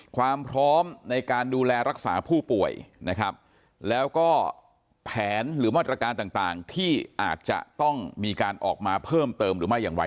ความพร้อมในการดูแลรักษาผู้ป่วยนะครับแล้วก็แผนหรือมาตรการต่างที่อาจจะต้องมีการออกมาเพิ่มเติมหรือไม่อย่างไร